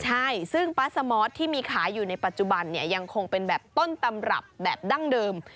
ใช่ซึ่งป๊าสมอสที่มีขายอยู่ในปัจจุบันเนี่ยยังคงเป็นแบบต้นตำรับแบบดั้งเดิม